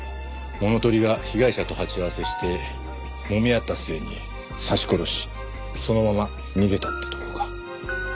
物取りが被害者と鉢合わせしてもみ合った末に刺し殺しそのまま逃げたってとこか。